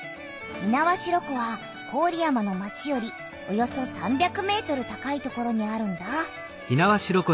猪苗代湖は郡山の町よりおよそ３００ｍ高い所にあるんだ。